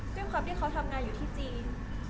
ด้วยความที่เขาทำงานอยู่ที่จีน